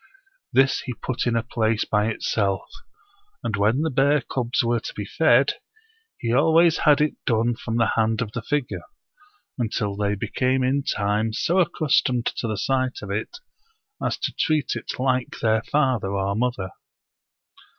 This he put in a place by itself; and when the bear cubs were to be fed, he always had it done from the hand of the figure, until they became in time so accustomed to the sight of it as to treat it like their father or mother.